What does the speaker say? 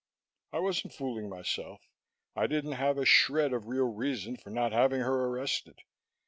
I wasn't fooling myself. I didn't have a shred of real reason for not having her arrested.